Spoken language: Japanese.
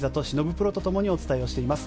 プロとともにお伝えをしています。